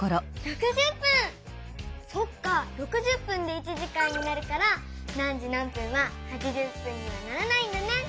そっか６０分で１時間になるから何時何分は８０分にはならないんだね。